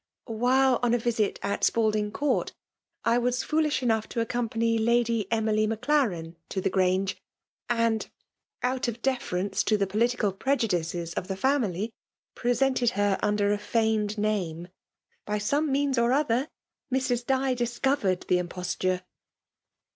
" While on a visit at Spalding Court, I was foolish enough to accompany Lady Emily Maclaren to the Grange ; and (out of defer ence to the political prejudices of the family) presented her undar a feigned name By some means or other, Mrs. IX discovered the im« posture."